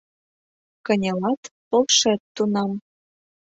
Кынелат — полшет тунам.